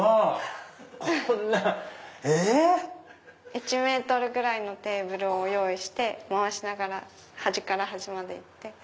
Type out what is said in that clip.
⁉１ｍぐらいのテーブルを用意して回しながら端から端まで行って。